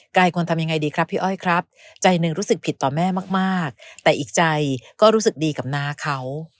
ควรทำยังไงดีครับพี่อ้อยครับใจหนึ่งรู้สึกผิดต่อแม่มากแต่อีกใจก็รู้สึกดีกับน้าเขา